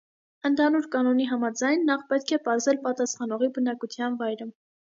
Ընդհանուր կանոնի համաձայն նախ պետք է պարզել պատասխանողի բնակության վայրը։